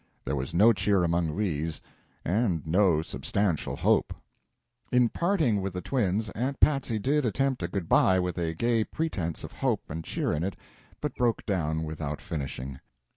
There was no cheer among these, and no substantial hope. In parting with the twins Aunt Patsy did attempt a good night with a gay pretense of hope and cheer in it, but broke down without finishing.